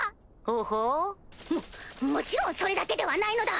ほほぅ？ももちろんそれだけではないのだ！